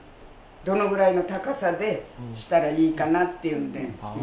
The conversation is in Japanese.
どのぐらいの高さでしたらいいかなっていうんで。